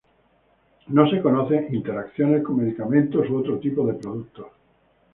No se conocen interacciones con medicamentos u otro tipo de productos.